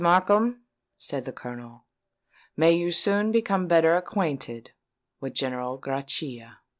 Markham," said the Colonel, "may you soon become better acquainted with General Grachia."